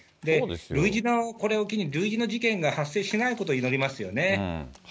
類似の、これを機に類似の事件が発生しないことを祈りますよね。